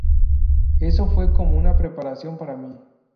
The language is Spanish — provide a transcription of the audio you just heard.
Eso fue como una preparación para mí.